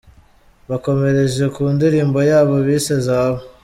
Bakomereje ku ndirimbo yabo bise 'Zahabu'.